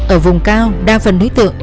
ở vùng cao đa phần đối tượng